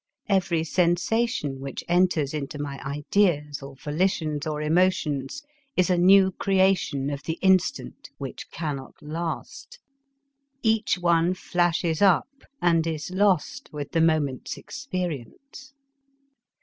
Every sensation which enters into my ideas or volitions or emotions is a new creation of the instant which cannot last; each one flashes up and is lost with the moment's experience.